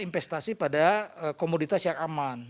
investasi pada komoditas yang aman